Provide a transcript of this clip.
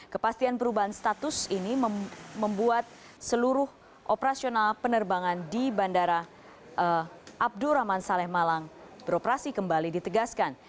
kepastian perubahan status ini membuat seluruh operasional penerbangan di bandara abdurrahman saleh malang beroperasi kembali ditegaskan